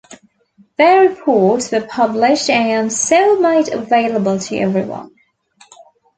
Their reports were published and so made available to everyone.